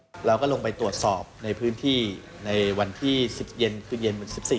เราก็ลงไปตรวจสอบในพื้นที่ในวันที่๑เย็นคือเย็นเหมือน๑๔